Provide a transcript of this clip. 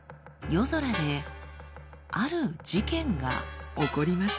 夜空である事件が起こりました。